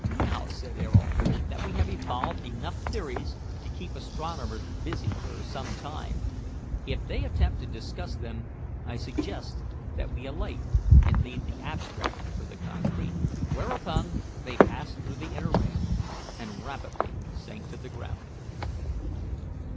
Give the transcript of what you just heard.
"Now," said Ayrault, "that we have evolved enough theories to keep astronomers busy for some time, if they attempt to discuss them, I suggest that we alight and leave the abstract for the concrete." Whereupon they passed through the inner ring and rapidly sank to the ground.